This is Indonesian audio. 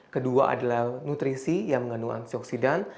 kedua adalah nutrisi yang mengandung antioksidan